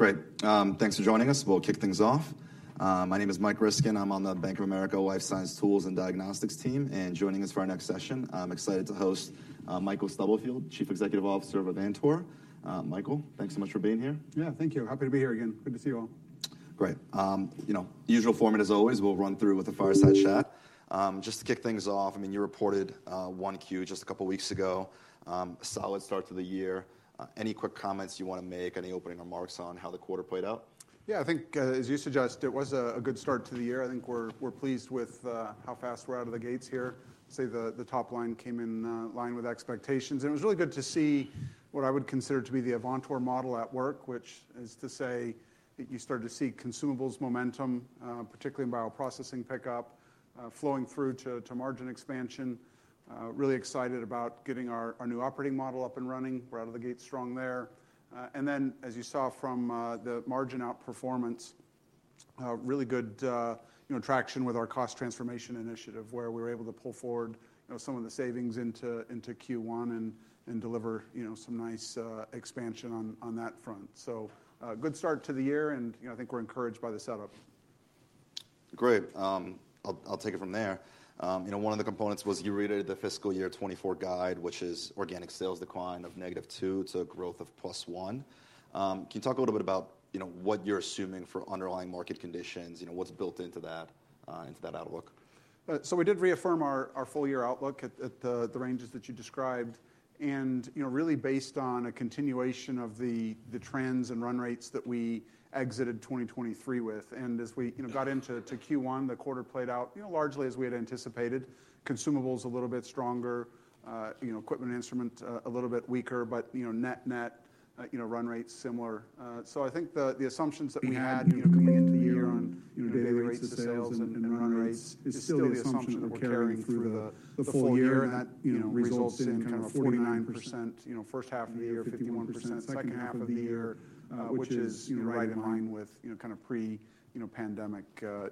Great. Thanks for joining us. We'll kick things off. My name is Mike Ryskin. I'm on the Bank of America Life Science Tools and Diagnostics team, and joining us for our next session, I'm excited to host, Michael Stubblefield, Chief Executive Officer of Avantor. Michael, thanks so much for being here. Yeah, thank you. Happy to be here again. Good to see you all. Great. You know, the usual format, as always, we'll run through with a fireside chat. Just to kick things off, I mean, you reported 1Q just a couple of weeks ago, a solid start to the year. Any quick comments you want to make, any opening remarks on how the quarter played out? Yeah, I think, as you suggest, it was a good start to the year. I think we're pleased with how fast we're out of the gates here. So the top line came in line with expectations, and it was really good to see what I would consider to be the Avantor model at work, which is to say that you start to see consumables momentum, particularly in bioprocessing pickup, flowing through to margin expansion. Really excited about getting our new operating model up and running. We're out of the gate strong there. And then, as you saw from the margin outperformance, really good, you know, traction with our cost transformation initiative, where we were able to pull forward, you know, some of the savings into Q1 and deliver, you know, some nice expansion on that front. So, a good start to the year, and, you know, I think we're encouraged by the setup. Great. I'll take it from there. You know, one of the components was you reiterated the fiscal year 2024 guide, which is organic sales decline of -2% to +1%. Can you talk a little bit about, you know, what you're assuming for underlying market conditions, you know, what's built into that, into that outlook? So we did reaffirm our full year outlook at the ranges that you described, and you know, really based on a continuation of the trends and run rates that we exited 2023 with. And as we you know, got into Q1, the quarter played out you know, largely as we had anticipated, consumables a little bit stronger, you know, equipment instrument a little bit weaker, but you know, net-net, you know, run rate, similar. So I think the assumptions that we had you know, coming into the year on you know, daily rates of sales and run rates is still the assumption that we're carrying through the full year. That, you know, results in kind of 49%, you know, first half of the year, 51%, second half of the year, which is right in line with, you know, kind of pre-pandemic,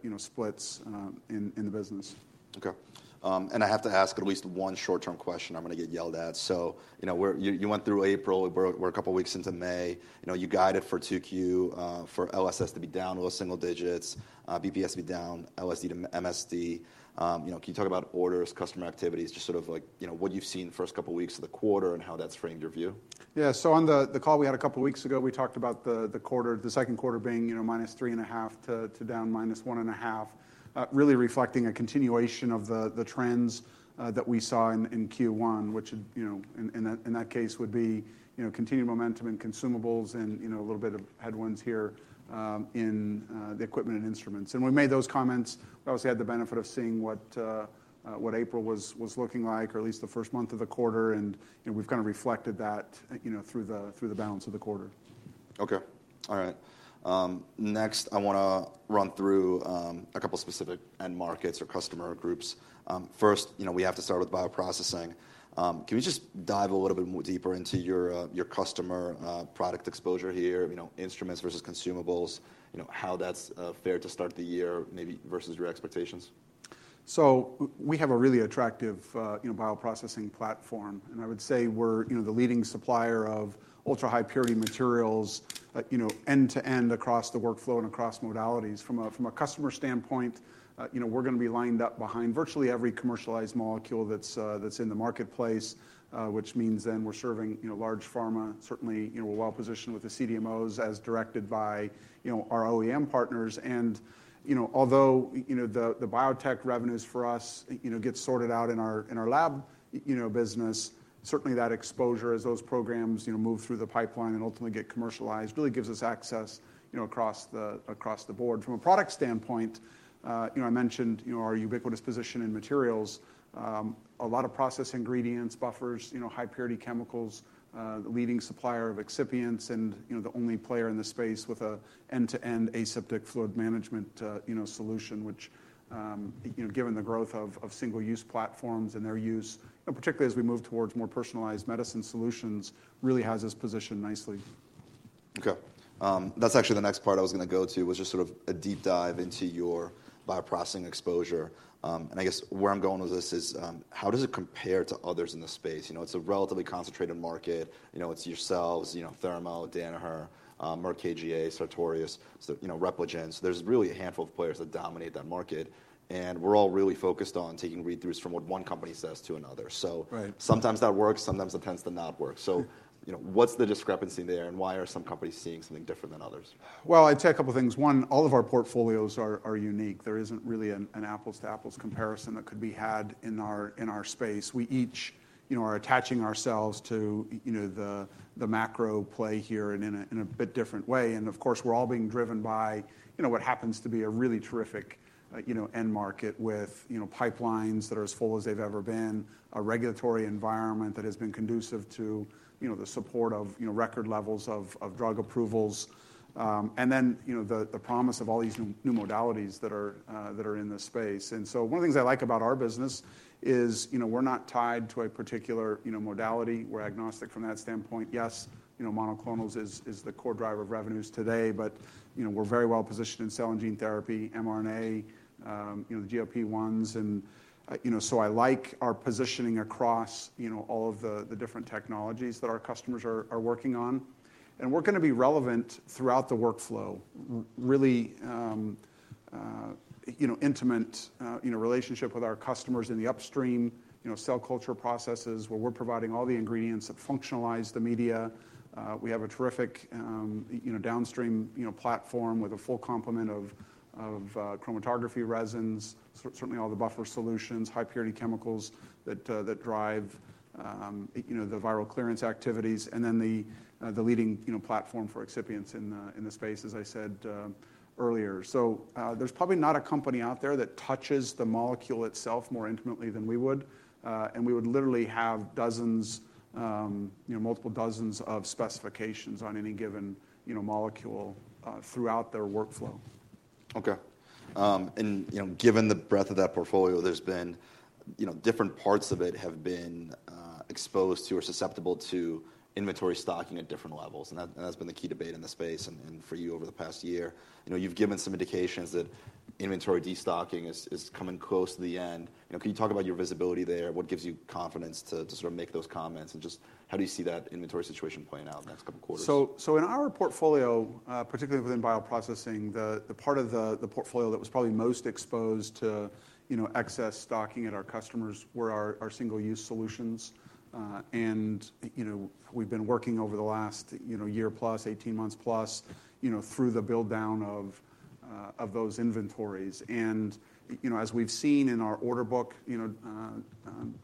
you know, splits in the business. Okay. And I have to ask at least one short-term question, I'm going to get yelled at. So, you know, where... You went through April, we're a couple of weeks into May. You know, you guided for 2Q, for LSS to be down a little single digits, BPS to be down, LSD to MSD. You know, can you talk about orders, customer activities, just sort of like, you know, what you've seen the first couple of weeks of the quarter and how that's framed your view? Yeah. So on the call we had a couple of weeks ago, we talked about the quarter, the second quarter being, you know, -3.5% to -1.5%, really reflecting a continuation of the trends that we saw in Q1, which, you know, in that case would be, you know, continued momentum in consumables and, you know, a little bit of headwinds here in the equipment and instruments. We made those comments. We also had the benefit of seeing what April was looking like, or at least the first month of the quarter, and, you know, we've kind of reflected that, you know, through the balance of the quarter. Okay. All right. Next, I wanna run through a couple specific end markets or customer groups. First, you know, we have to start with bioprocessing. Can we just dive a little bit more deeper into your customer product exposure here, you know, instruments versus consumables, you know, how that's fared to start the year, maybe versus your expectations? So we have a really attractive, you know, bioprocessing platform, and I would say we're, you know, the leading supplier of ultra-high purity materials, you know, end-to-end across the workflow and across modalities. From a customer standpoint, you know, we're going to be lined up behind virtually every commercialized molecule that's in the marketplace, which means then we're serving, you know, large pharma. Certainly, you know, we're well positioned with the CDMOs as directed by, you know, our OEM partners. And, you know, although the biotech revenues for us, you know, get sorted out in our lab business. Certainly, that exposure as those programs, you know, move through the pipeline and ultimately get commercialized, really gives us access, you know, across the board. From a product standpoint, you know, I mentioned, you know, our ubiquitous position in materials, a lot of process ingredients, buffers, you know, high-purity chemicals, the leading supplier of excipients, and, you know, the only player in this space with an end-to-end aseptic fluid management, you know, solution, which, you know, given the growth of single-use platforms and their use, and particularly as we move towards more personalized medicine solutions, really has us positioned nicely. Okay. That's actually the next part I was going to go to, was just sort of a deep dive into your bioprocessing exposure. And I guess where I'm going with this is, how does it compare to others in the space? You know, it's a relatively concentrated market. You know, it's yourselves, you know, Thermo, Danaher, Merck KGaA, Sartorius, so, you know, Repligen. There's really a handful of players that dominate that market, and we're all really focused on taking read-throughs from what one company says to another. Right. Sometimes that works, sometimes it tends to not work. Sure. You know, what's the discrepancy there, and why are some companies seeing something different than others? Well, I'd say a couple of things. One, all of our portfolios are unique. There isn't really an apples-to-apples comparison that could be had in our space. We each, you know, are attaching ourselves to, you know, the macro play here and in a bit different way. And of course, we're all being driven by, you know, what happens to be a really terrific end market with, you know, pipelines that are as full as they've ever been, a regulatory environment that has been conducive to, you know, the support of, you know, record levels of drug approvals, and then, you know, the promise of all these new modalities that are in this space. And so one of the things I like about our business is, you know, we're not tied to a particular, you know, modality. We're agnostic from that standpoint. Yes, you know, monoclonal is the core driver of revenues today, but, you know, we're very well positioned in cell and gene therapy, mRNA, you know, the GLP-1s. And, you know, so I like our positioning across, you know, all of the different technologies that our customers are working on. And we're going to be relevant throughout the workflow. Really, you know, intimate relationship with our customers in the upstream, you know, cell culture processes, where we're providing all the ingredients that functionalize the media. We have a terrific, you know, downstream, you know, platform with a full complement of chromatography resins, certainly all the buffer solutions, high-purity chemicals that that drive, you know, the viral clearance activities, and then the leading, you know, platform for excipients in the space, as I said earlier. So, there's probably not a company out there that touches the molecule itself more intimately than we would. And we would literally have dozens, you know, multiple dozens of specifications on any given, you know, molecule throughout their workflow. Okay. And, you know, given the breadth of that portfolio, there's been, you know, different parts of it have been exposed to or susceptible to inventory stocking at different levels, and that's been the key debate in the space and for you over the past year. You know, you've given some indications that inventory destocking is coming close to the end. You know, can you talk about your visibility there? What gives you confidence to sort of make those comments, and just how do you see that inventory situation playing out in the next couple quarters? So in our portfolio, particularly within bioprocessing, the part of the portfolio that was probably most exposed to, you know, excess stocking at our customers were our single-use solutions. And, you know, we've been working over the last, you know, year plus, 18 months plus, you know, through the build-down of those inventories. And, you know, as we've seen in our order book, you know,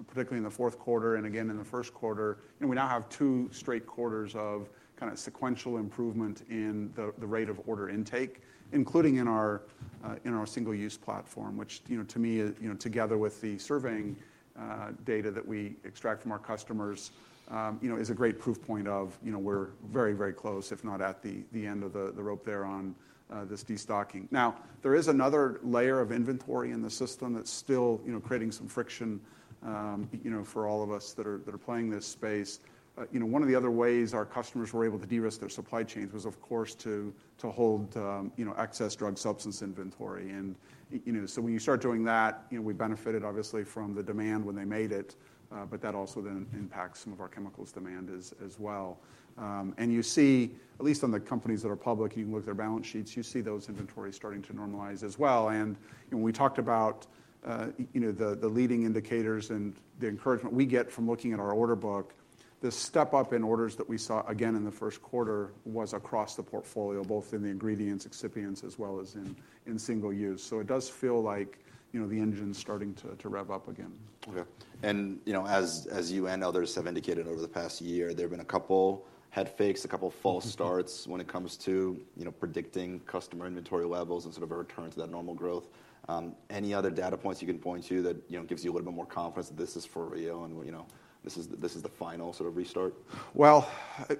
particularly in the fourth quarter and again in the first quarter, and we now have two straight quarters of kind of sequential improvement in the rate of order intake, including in our single-use platform, which, you know, to me, you know, together with the surveying data that we extract from our customers, you know, is a great proof point of, you know, we're very, very close, if not at the end of the rope there on this destocking. Now, there is another layer of inventory in the system that's still, you know, creating some friction, you know, for all of us that are playing this space. You know, one of the other ways our customers were able to de-risk their supply chains was, of course, to, to hold, you know, excess drug substance inventory. And, you know, so when you start doing that, you know, we benefited obviously from the demand when they made it, but that also then impacts some of our chemicals demand as, as well. And you see, at least on the companies that are public, you can look at their balance sheets, you see those inventories starting to normalize as well. And, you know, we talked about, you know, the, the leading indicators and the encouragement we get from looking at our order book. The step up in orders that we saw again in the first quarter was across the portfolio, both in the ingredients, excipients, as well as in, in single use. So it does feel like, you know, the engine's starting to rev up again. Okay. You know, as you and others have indicated over the past year, there have been a couple head fakes, a couple of false starts when it comes to, you know, predicting customer inventory levels and sort of a return to that normal growth. Any other data points you can point to that, you know, gives you a little bit more confidence that this is for real, and, you know, this is the, this is the final sort of restart? Well,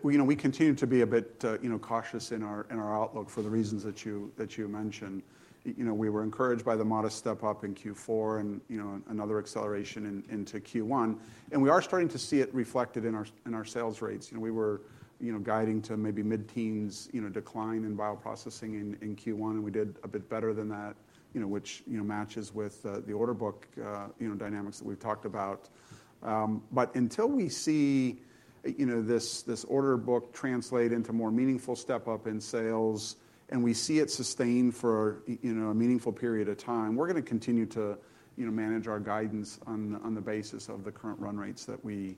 you know, we continue to be a bit, you know, cautious in our, in our outlook for the reasons that you, that you mentioned. You know, we were encouraged by the modest step-up in Q4 and, you know, another acceleration in, into Q1, and we are starting to see it reflected in our, in our sales rates. You know, we were, you know, guiding to maybe mid-teens, you know, decline in bioprocessing in, in Q1, and we did a bit better than that, you know, which, you know, matches with, the order book, you know, dynamics that we've talked about. But until we see, you know, this, this order book translate into more meaningful step-up in sales, and we see it sustained for, you know, a meaningful period of time, we're gonna continue to, you know, manage our guidance on the, on the basis of the current run rates that we,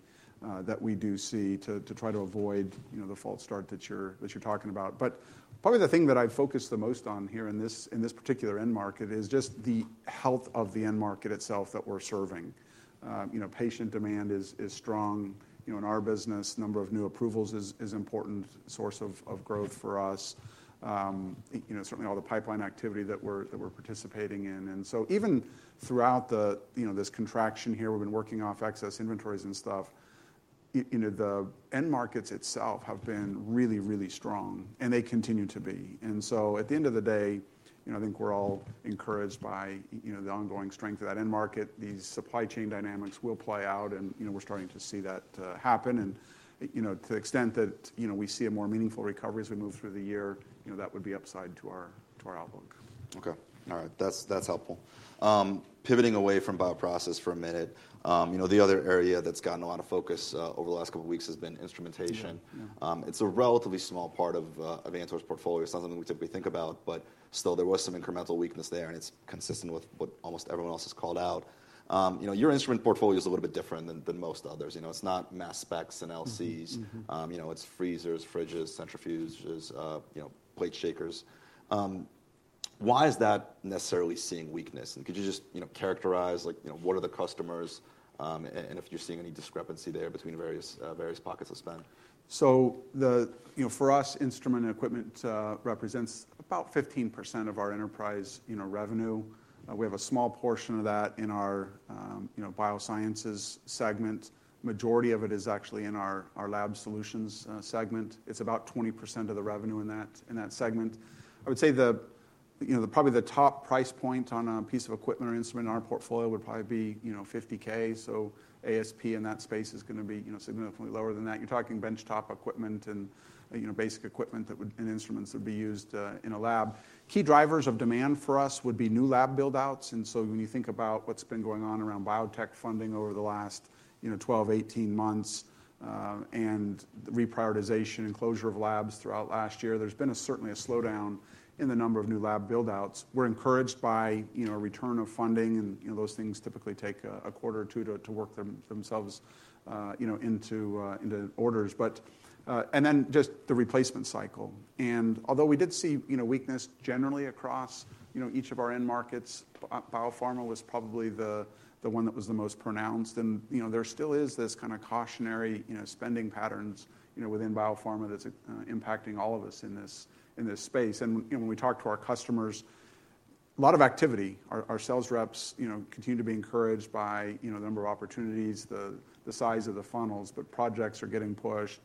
that we do see, to, to try to avoid, you know, the false start that you're, that you're talking about. But probably the thing that I've focused the most on here in this, in this particular end market is just the health of the end market itself that we're serving. You know, patient demand is, is strong. You know, in our business, number of new approvals is, is important source of, of growth for us. You know, certainly, all the pipeline activity that we're, that we're participating in. Even throughout the, you know, this contraction here, we've been working off excess inventories and stuff, you know, the end markets itself have been really, really strong, and they continue to be. So at the end of the day, you know, I think we're all encouraged by, you know, the ongoing strength of that end market. These supply chain dynamics will play out, and, you know, we're starting to see that happen. To the extent that, you know, we see a more meaningful recovery as we move through the year, you know, that would be upside to our, to our outlook. Okay. All right. That's, that's helpful. Pivoting away from bioprocess for a minute, you know, the other area that's gotten a lot of focus over the last couple weeks has been instrumentation. Yeah. Yeah. It's a relatively small part of the Avantor's portfolio. It's not something we typically think about, but still there was some incremental weakness there, and it's consistent with what almost everyone else has called out. You know, your instrument portfolio is a little bit different than most others. You know, it's not mass specs and LCs. Mm-hmm. Mm-hmm. You know, it's freezers, fridges, centrifuges, you know, plate shakers. Why is that necessarily seeing weakness? And could you just, you know, characterize, like, you know, what are the customers, and if you're seeing any discrepancy there between various, various pockets of spend? So you know, for us, instrument and equipment represents about 15% of our enterprise, you know, revenue. We have a small portion of that in our, you know, biosciences segment. Majority of it is actually in our, our lab solutions segment. It's about 20% of the revenue in that, in that segment. I would say you know, probably the top price point on a piece of equipment or instrument in our portfolio would probably be, you know, $50,000. So ASP in that space is gonna be, you know, significantly lower than that. You're talking benchtop equipment and, you know, basic equipment that and instruments that would be used in a lab. Key drivers of demand for us would be new lab build-outs. And so when you think about what's been going on around biotech funding over the last, you know, 12, 18 months, and reprioritization and closure of labs throughout last year, there's been certainly a slowdown in the number of new lab build-outs. We're encouraged by, you know, a return of funding, and, you know, those things typically take a quarter or two to work themselves into orders. But. And then just the replacement cycle. And although we did see, you know, weakness generally across, you know, each of our end markets, biopharma was probably the one that was the most pronounced. And, you know, there still is this kind of cautionary, you know, spending patterns, you know, within biopharma that's impacting all of us in this space. When we talk to our customers, a lot of activity. Our sales reps, you know, continue to be encouraged by, you know, the number of opportunities, the size of the funnels, but projects are getting pushed,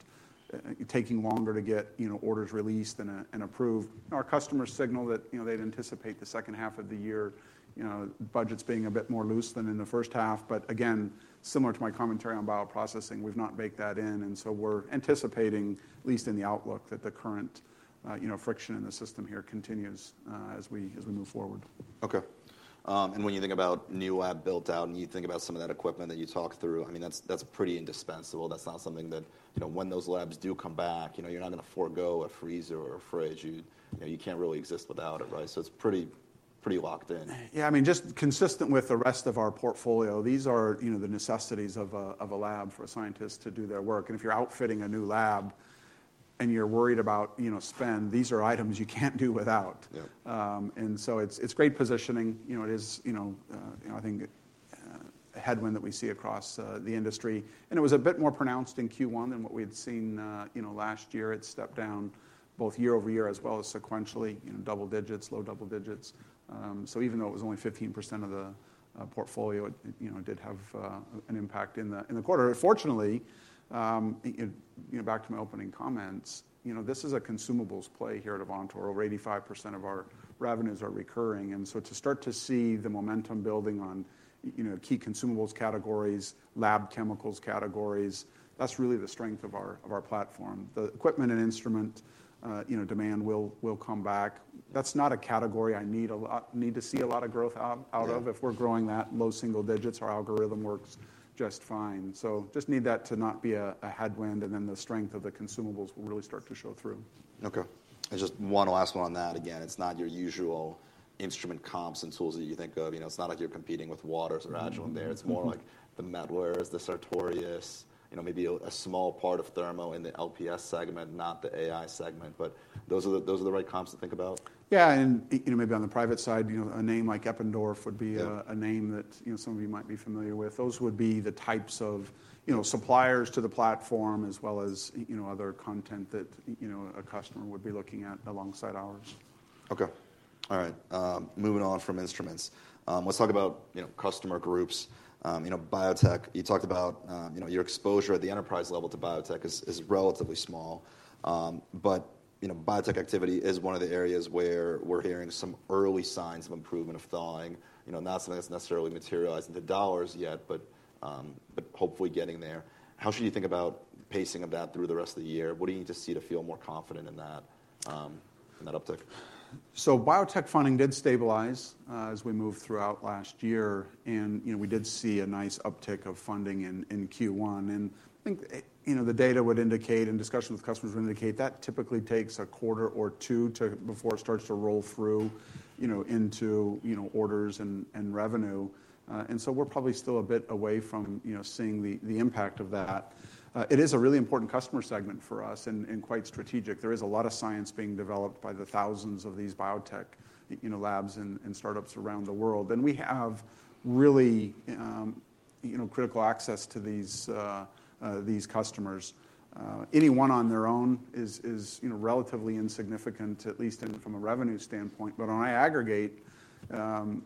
taking longer to get, you know, orders released and approved. Our customers signal that, you know, they'd anticipate the second half of the year, you know, budgets being a bit more loose than in the first half. But again, similar to my commentary on bioprocessing, we've not baked that in, and so we're anticipating, at least in the outlook, that the current, you know, friction in the system here continues as we move forward. Okay. And when you think about new lab built out, and you think about some of that equipment that you talked through, I mean, that's, that's pretty indispensable. That's not something that, you know, when those labs do come back, you know, you're not gonna forgo a freezer or a fridge. You, you know, you can't really exist without it, right? So it's pretty, pretty locked in. Yeah, I mean, just consistent with the rest of our portfolio, these are, you know, the necessities of a lab for a scientist to do their work. If you're outfitting a new lab and you're worried about, you know, spend, these are items you can't do without. Yeah. And so it's, it's great positioning. You know, it is, you know, you know, I think, a headwind that we see across, the industry, and it was a bit more pronounced in Q1 than what we had seen, you know, last year. It stepped down both year-over-year as well as sequentially, you know, double digits, low double digits. So even though it was only 15% of the, portfolio, it, you know, did have, an impact in the, in the quarter. Fortunately, you, you know, back to my opening comments, you know, this is a consumables play here at Avantor. Over 85% of our revenues are recurring, and so to start to see the momentum building on, you know, key consumables categories, lab chemicals categories, that's really the strength of our, of our platform. The equipment and instrument, you know, demand will come back. That's not a category I need to see a lot of growth out of. Yeah. If we're growing that low single digits, our algorithm works just fine. So just need that to not be a headwind, and then the strength of the consumables will really start to show through. Okay. I just one last one on that. Again, it's not your usual instrument comps and tools that you think of. You know, it's not like you're competing with Waters or Agilent there. Mm-hmm. It's more like the Mettlers, the Sartorius, you know, maybe a small part of Thermo in the LSS segment, not the AI segment, but those are the, those are the right comps to think about? Yeah, and, you know, maybe on the private side, you know, a name like Eppendorf would be a- Yeah... a name that, you know, some of you might be familiar with. Those would be the types of, you know, suppliers to the platform as well as you know, other content that, you know, a customer would be looking at alongside ours. Okay. All right, moving on from instruments. Let's talk about, you know, customer groups. You know, biotech, you talked about, you know, your exposure at the enterprise level to biotech is relatively small. But, you know, biotech activity is one of the areas where we're hearing some early signs of improvement, of thawing. You know, not something that's necessarily materialized into dollars yet, but hopefully getting there. How should you think about pacing of that through the rest of the year? What do you need to see to feel more confident in that uptick? So biotech funding did stabilize as we moved throughout last year, and, you know, we did see a nice uptick of funding in Q1. And I think, you know, the data would indicate and discussion with customers would indicate that typically takes a quarter or two before it starts to roll through, you know, into, you know, orders and revenue. And so we're probably still a bit away from, you know, seeing the impact of that. It is a really important customer segment for us and quite strategic. There is a lot of science being developed by the thousands of these biotech, you know, labs and startups around the world. And we have really, you know, critical access to these customers. Any one on their own is, you know, relatively insignificant, at least from a revenue standpoint. But when I aggregate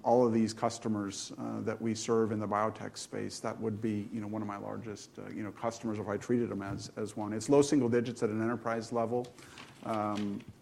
all of these customers that we serve in the biotech space, that would be, you know, one of my largest, you know, customers if I treated them as one. It's low single digits at an enterprise level.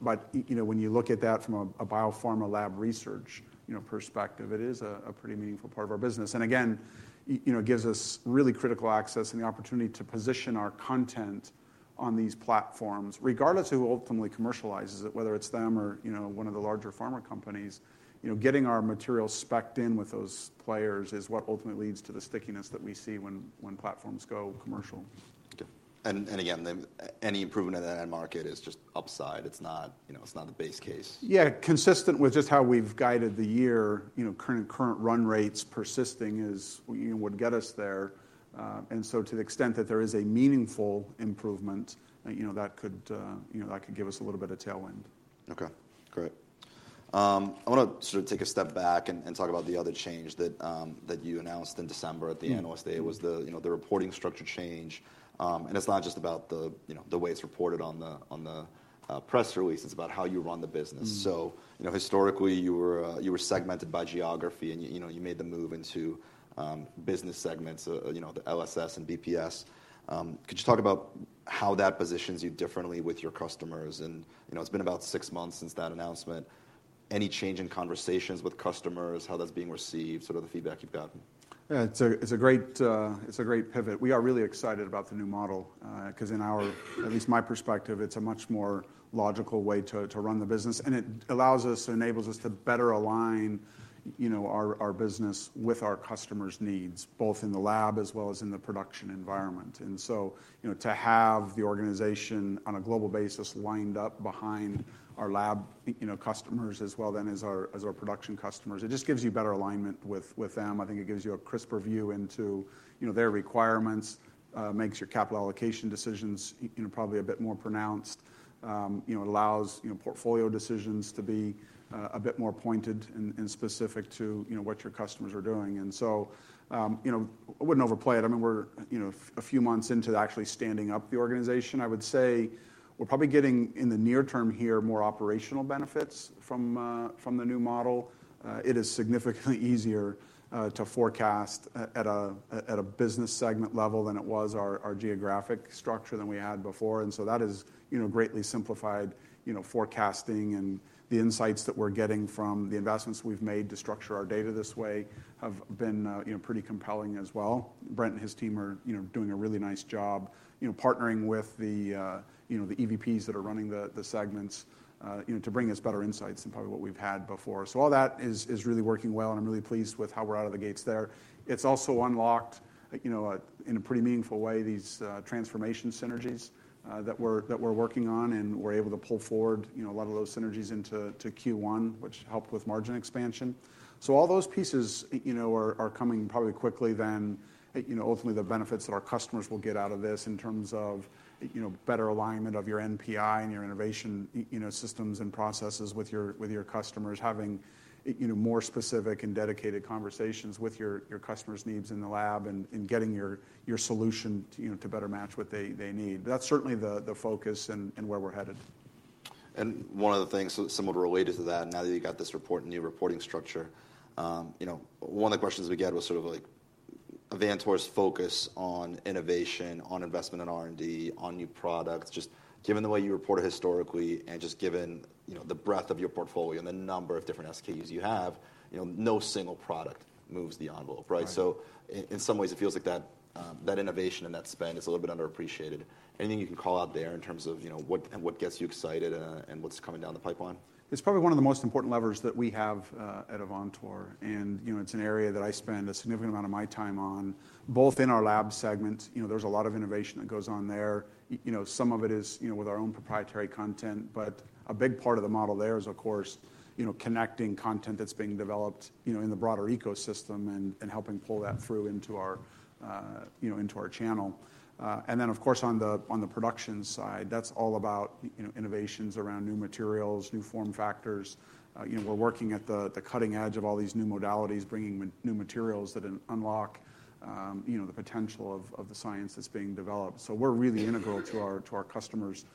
But you know, when you look at that from a biopharma lab research, you know, perspective, it is a pretty meaningful part of our business. And again, you know, it gives us really critical access and the opportunity to position our content on these platforms, regardless of who ultimately commercializes it, whether it's them or, you know, one of the larger pharma companies. You know, getting our materials spec'd in with those players is what ultimately leads to the stickiness that we see when, when platforms go commercial. Okay. And again, any improvement in that end market is just upside. It's not, you know, it's not the base case. Yeah, consistent with just how we've guided the year, you know, current, current run rates persisting is, you know, would get us there. And so to the extent that there is a meaningful improvement, you know, that could, you know, that could give us a little bit of tailwind. Okay, great. I wanna sort of take a step back and talk about the other change that you announced in December at the- Mm... Analyst Day, was the, you know, the reporting structure change. It's not just about the, you know, the way it's reported on the, on the, press release, it's about how you run the business. Mm. So, you know, historically, you were, you were segmented by geography, and you know, you made the move into, business segments, you know, the LSS and BPS. Could you talk about how that positions you differently with your customers. And, you know, it's been about six months since that announcement. Any change in conversations with customers, how that's being received, sort of the feedback you've gotten? Yeah, it's a great pivot. We are really excited about the new model, 'cause, at least in my perspective, it's a much more logical way to run the business, and it allows us, enables us to better align, you know, our business with our customers' needs, both in the lab as well as in the production environment. And so, you know, to have the organization on a global basis lined up behind our lab customers as well as our production customers, it just gives you better alignment with them. I think it gives you a crisper view into, you know, their requirements, makes your capital allocation decisions, you know, probably a bit more pronounced. You know, it allows, you know, portfolio decisions to be a bit more pointed and specific to, you know, what your customers are doing. And so, you know, I wouldn't overplay it. I mean, we're, you know, a few months into actually standing up the organization. I would say we're probably getting, in the near term here, more operational benefits from the new model. It is significantly easier to forecast at a business segment level than it was our geographic structure than we had before. And so that has, you know, greatly simplified, you know, forecasting, and the insights that we're getting from the investments we've made to structure our data this way have been, you know, pretty compelling as well. Brent and his team are, you know, doing a really nice job, you know, partnering with the, you know, the EVPs that are running the segments, to bring us better insights than probably what we've had before. So all that is really working well, and I'm really pleased with how we're out of the gates there. It's also unlocked, you know, in a pretty meaningful way, these transformation synergies, that we're working on, and we're able to pull forward, you know, a lot of those synergies into Q1, which helped with margin expansion. So all those pieces, you know, are coming probably more quickly than, you know, ultimately, the benefits that our customers will get out of this in terms of, you know, better alignment of your NPI and your innovation, you know, systems and processes with your customers, having, you know, more specific and dedicated conversations with your customers' needs in the lab and getting your solution to, you know, to better match what they need. That's certainly the focus and where we're headed. One of the things so similar related to that, now that you've got this report, new reporting structure, you know, one of the questions we get was sort of like Avantor's focus on innovation, on investment in R&D, on new products. Just given the way you reported historically, and just given, you know, the breadth of your portfolio and the number of different SKUs you have, you know, no single product moves the envelope, right? Right. So in some ways, it feels like that, that innovation and that spend is a little bit underappreciated. Anything you can call out there in terms of, you know, what, what gets you excited, and what's coming down the pipeline? It's probably one of the most important levers that we have at Avantor. You know, it's an area that I spend a significant amount of my time on, both in our lab segment. You know, there's a lot of innovation that goes on there. You know, some of it is, you know, with our own proprietary content, but a big part of the model there is, of course, you know, connecting content that's being developed, you know, in the broader ecosystem and helping pull that through into our, you know, into our channel. And then, of course, on the production side, that's all about you know, innovations around new materials, new form factors. You know, we're working at the cutting edge of all these new modalities, bringing new materials that unlock, you know, the potential of the science that's being developed. So we're really integral to our customers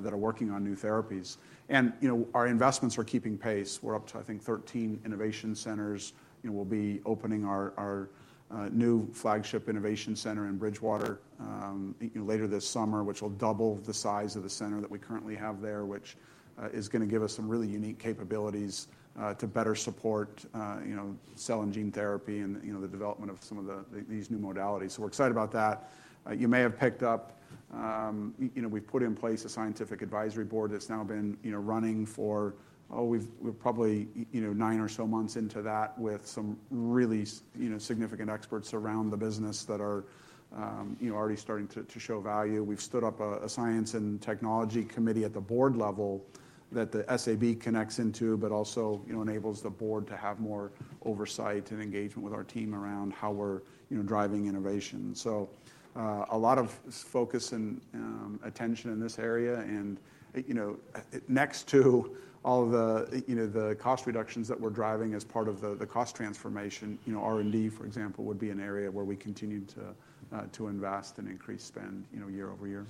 that are working on new therapies. You know, our investments are keeping pace. We're up to, I think, 13 innovation centers, and we'll be opening our new flagship innovation center in Bridgewater, you know, later this summer, which will double the size of the center that we currently have there, which is gonna give us some really unique capabilities to better support, you know, cell and gene therapy and, you know, the development of some of these new modalities. So we're excited about that. You may have picked up, you know, we've put in place a scientific advisory board that's now been, you know, running for, oh, we're probably, you know, nine or so months into that, with some really, you know, significant experts around the business that are, you know, already starting to show value. We've stood up a science and technology committee at the board level that the SAB connects into, but also, you know, enables the board to have more oversight and engagement with our team around how we're, you know, driving innovation. So, a lot of focus and attention in this area and, you know, next to all the, you know, the cost reductions that we're driving as part of the cost transformation, you know, R&D, for example, would be an area where we continue to invest and increase spend, you know, year-over-year.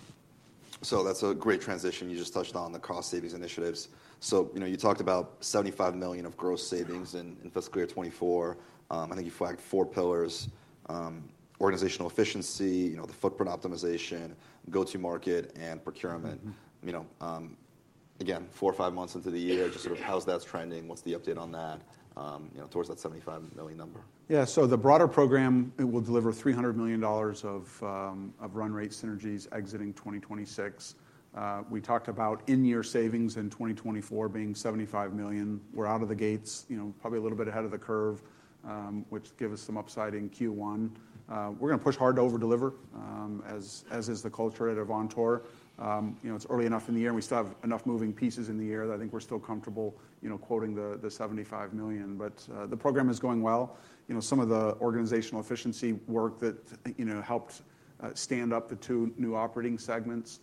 So that's a great transition. You just touched on the cost savings initiatives. So, you know, you talked about $75 million of gross savings in fiscal year 2024. I think you flagged four pillars: organizational efficiency, you know, the footprint optimization, go-to market, and procurement. Mm-hmm. You know, again, four or five months into the year, just sort of how's that trending? What's the update on that, you know, towards that $75 million number? Yeah, so the broader program, it will deliver $300 million of run rate synergies exiting 2026. We talked about in-year savings in 2024 being $75 million. We're out of the gates, you know, probably a little bit ahead of the curve, which give us some upside in Q1. We're gonna push hard to over-deliver, as is the culture at Avantor. You know, it's early enough in the year, and we still have enough moving pieces in the year that I think we're still comfortable, you know, quoting the $75 million. But, the program is going well. You know, some of the organizational efficiency work that, you know, helped stand up the two new operating segments,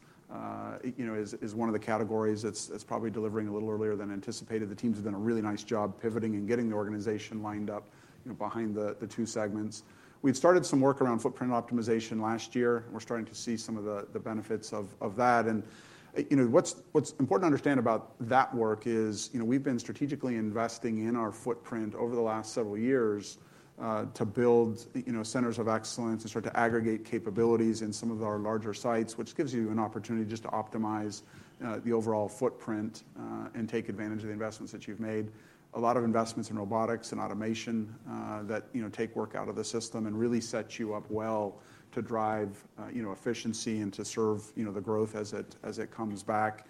you know, is one of the categories that's probably delivering a little earlier than anticipated. The teams have done a really nice job pivoting and getting the organization lined up, you know, behind the two segments. We've started some work around footprint optimization last year, and we're starting to see some of the benefits of that. You know, what's important to understand about that work is, you know, we've been strategically investing in our footprint over the last several years to build, you know, centers of excellence and start to aggregate capabilities in some of our larger sites, which gives you an opportunity just to optimize the overall footprint and take advantage of the investments that you've made. A lot of investments in robotics and automation, that, you know, take work out of the system and really set you up well to drive, you know, efficiency and to serve, you know, the growth as it, as it comes back.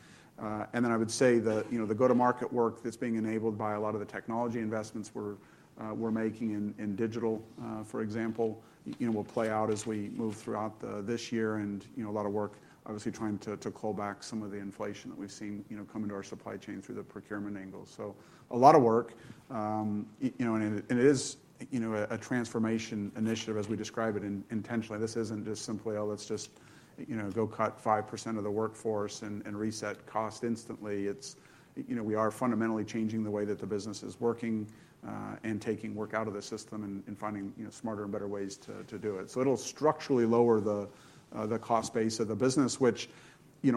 And then I would say that, you know, the go-to-market work that's being enabled by a lot of the technology investments we're making in digital, for example, you know, will play out as we move throughout this year. And, you know, a lot of work, obviously, trying to cull back some of the inflation that we've seen, you know, coming to our supply chain through the procurement angle. So a lot of work, you know, and it, and it is, you know, a transformation initiative, as we describe it intentionally. This isn't just simply, "Oh, let's just, you know, go cut 5% of the workforce and reset cost instantly." It's... You know, we are fundamentally changing the way that the business is working and taking work out of the system and finding, you know, smarter and better ways to do it. So it'll structurally lower the cost base of the business, which, you know,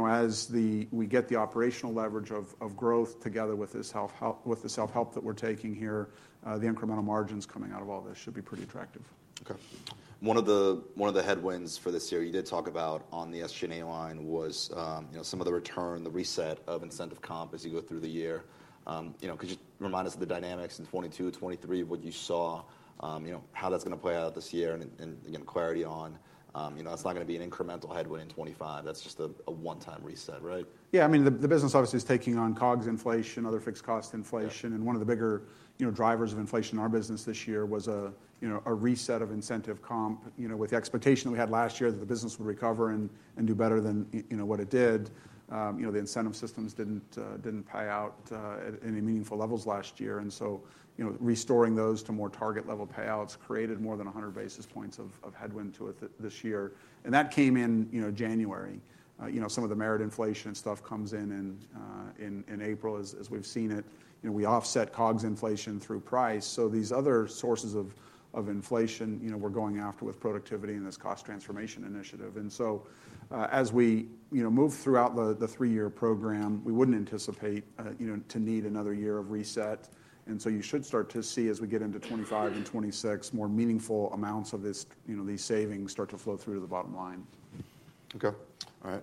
as we get the operational leverage of growth together with this self-help, with the self-help that we're taking here, the incremental margins coming out of all this should be pretty attractive. Okay. One of the headwinds for this year you did talk about on the SG&A line was, you know, some of the return, the reset of incentive comp as you go through the year. You know, could you remind us of the dynamics in 2022, 2023, what you saw, you know, how that's gonna play out this year? And again, clarity on, you know, that's not gonna be an incremental headwind in 2025. That's just a one-time reset, right? Yeah. I mean, the business obviously is taking on COGS inflation, other fixed cost inflation. Yeah. And one of the bigger, you know, drivers of inflation in our business this year was a, you know, a reset of incentive comp, you know, with the expectation we had last year that the business would recover and do better than you know, what it did. You know, the incentive systems didn't pay out at any meaningful levels last year, and so, you know, restoring those to more target level payouts created more than 100 basis points of headwind to it this year. And that came in, you know, January. You know, some of the merit inflation and stuff comes in in April, as we've seen it. You know, we offset COGS inflation through price, so these other sources of inflation, you know, we're going after with productivity and this cost transformation initiative. And so, as we, you know, move throughout the, the three-year program, we wouldn't anticipate, you know, to need another year of reset. And so you should start to see, as we get into 2025 and 2026, more meaningful amounts of this, you know, these savings start to flow through to the bottom line. Okay. All right.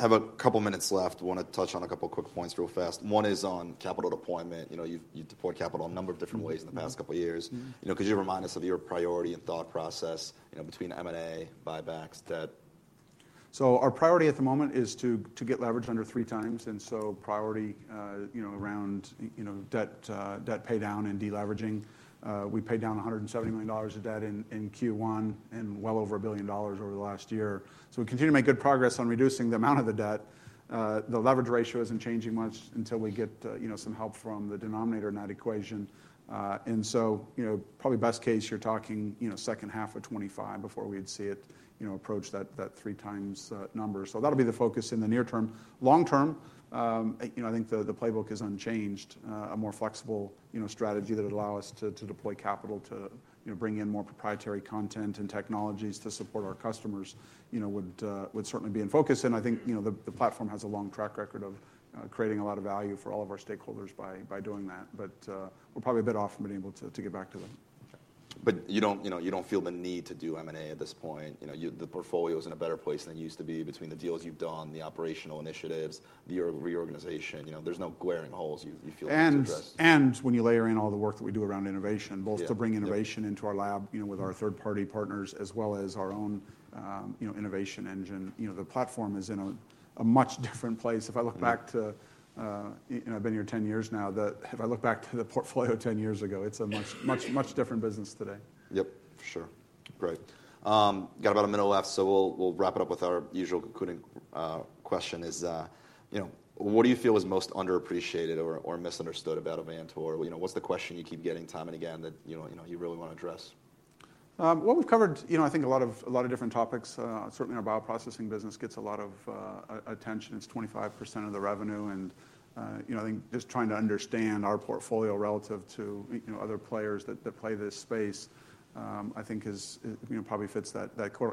Have a couple of minutes left. Want to touch on a couple of quick points real fast. One is on capital deployment. You know, you've, you've deployed capital a number of different ways in the past couple of years. Mm-hmm. You know, could you remind us of your priority and thought process, you know, between M&A, buybacks, debt? So our priority at the moment is to get leverage under three times, and so priority, you know, around, you know, debt, debt paydown and deleveraging. We paid down $170 million of debt in Q1 and well over $1 billion over the last year. So we continue to make good progress on reducing the amount of the debt. The leverage ratio isn't changing much until we get, you know, some help from the denominator in that equation. And so, you know, probably best case, you're talking, you know, second half of 2025 before we'd see it, you know, approach that three times number. So that'll be the focus in the near term. Long term, you know, I think the playbook is unchanged, a more flexible, you know, strategy that would allow us to deploy capital, to, you know, bring in more proprietary content and technologies to support our customers, you know, would certainly be in focus. And I think, you know, the platform has a long track record of creating a lot of value for all of our stakeholders by doing that. But, we're probably a bit off from being able to get back to them. But you don't, you know, you don't feel the need to do M&A at this point. You know, you, the portfolio is in a better place than it used to be between the deals you've done, the operational initiatives, the reorganization. You know, there's no glaring holes you feel need to address. When you layer in all the work that we do around innovation- Yeah, yeah. -both to bring innovation into our lab, you know, with our third-party partners, as well as our own, you know, innovation engine, you know, the platform is in a much different place. Mm-hmm. If I look back to you know, I've been here 10 years now. If I look back to the portfolio 10 years ago, it's a much, much, much different business today. Yep, for sure. Great. Got about a minute left, so we'll wrap it up with our usual concluding question: you know, what do you feel is most underappreciated or misunderstood about Avantor? You know, what's the question you keep getting time and again that, you know, you really want to address? Well, we've covered, you know, I think a lot of different topics. Certainly our bioprocessing business gets a lot of attention. It's 25% of the revenue, and, you know, I think just trying to understand our portfolio relative to, you know, other players that play this space, I think is, you know, probably fits that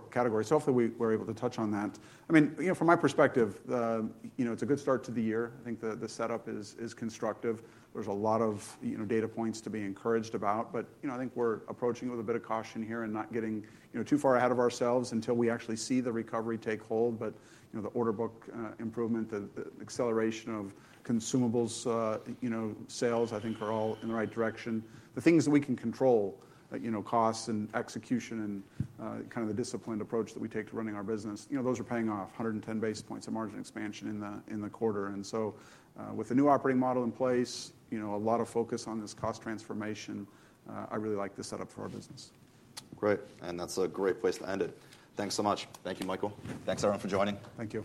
category. So hopefully we're able to touch on that. I mean, you know, from my perspective, you know, it's a good start to the year. I think the setup is constructive. There's a lot of, you know, data points to be encouraged about, but, you know, I think we're approaching with a bit of caution here and not getting, you know, too far ahead of ourselves until we actually see the recovery take hold. But, you know, the order book improvement, the acceleration of consumables, you know, sales, I think are all in the right direction. The things that we can control, you know, costs and execution and, kind of the disciplined approach that we take to running our business, you know, those are paying off, 110 basis points of margin expansion in the quarter. And so, with the new operating model in place, you know, a lot of focus on this cost transformation, I really like the setup for our business. Great, that's a great place to end it. Thanks so much. Thank you, Michael. Thanks, everyone, for joining. Thank you.